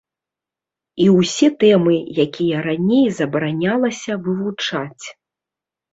І ўсе тэмы, якія раней забаранялася вывучаць.